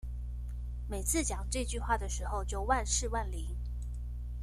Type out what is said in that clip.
每次講這句話的時候就萬試萬靈